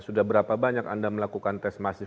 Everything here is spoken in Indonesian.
sudah berapa banyak anda melakukan tes masif